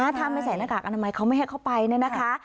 ถ้าไม่ใส่หน้ากากอนามัยเขาไม่ให้เขาไปเนี่ยนะคะ